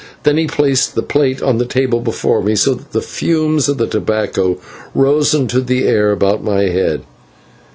Then he placed the plate on the table before me, so that the fumes of the tobacco rose into the air about my head.